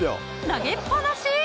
投げっぱなしー！